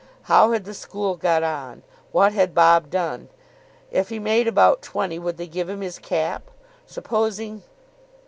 How had the school got on? What had Bob done? If he made about twenty, would they give him his cap? Supposing....